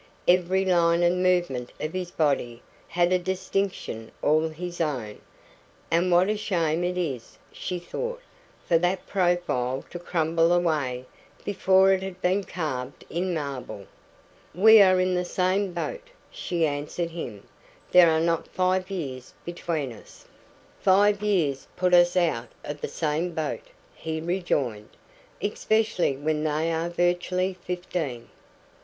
Every line and movement of his body had a distinction all his own, and "What a shame it is," she thought, "for that profile to crumble away before it has been carved in marble." "We are in the same boat," she answered him. "There are not five years between us." "Five years put us out of the same boat," he rejoined, "especially when they are virtually fifteen.